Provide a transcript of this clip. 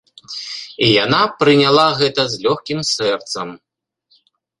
І яна прыняла гэта з лёгкім сэрцам.